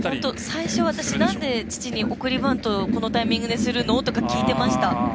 最初、私なんで、父に送りバントをこのタイミングでするの？とか聞いてました。